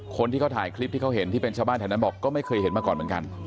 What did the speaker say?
คนที่เขาถ่ายคลิปที่เขาเห็นที่เป็นชาวบ้านแถวนั้นบอกก็ไม่เคยเห็นมาก่อนเหมือนกัน